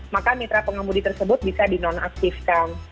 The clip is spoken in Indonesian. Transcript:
maka mitra pengemudi tersebut bisa di non aktifkan